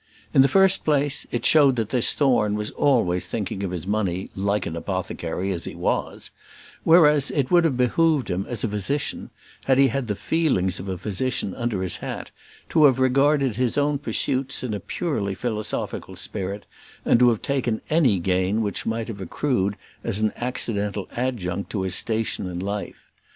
In the first place, it showed that this Thorne was always thinking of his money, like an apothecary, as he was; whereas, it would have behoved him, as a physician, had he had the feelings of a physician under his hat, to have regarded his own pursuits in a purely philosophical spirit, and to have taken any gain which might have accrued as an accidental adjunct to his station in life.